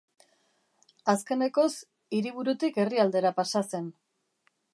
Azkenekoz, hiriburutik herrialdera pasa zen.